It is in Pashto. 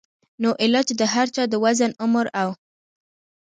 نو علاج د هر چا د وزن ، عمر او